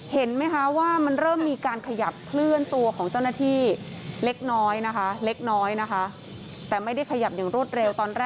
เห็นไหมคะว่ามันเริ่มมีการขยับเคลื่อนตัวของเจ้าหน้าที่เล็กน้อยนะคะ